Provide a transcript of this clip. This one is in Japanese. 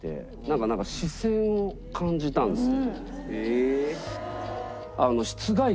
なんか視線を感じたんですね。